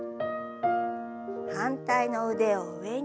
反対の腕を上に。